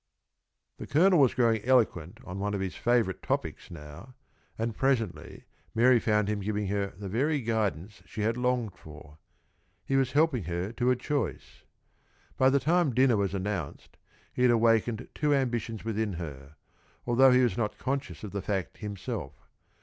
The Colonel was growing eloquent on one of his favorite topics now, and presently Mary found him giving her the very guidance she had longed for. He was helping her to a choice. By the time dinner was announced, he had awakened two ambitions within her, although he was not conscious of the fact himself.